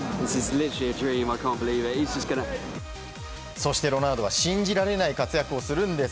そして、ロナウドは信じられない活躍をするんです。